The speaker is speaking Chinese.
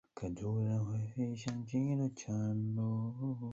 该片是元奎进军国际影坛的第二部电影作品。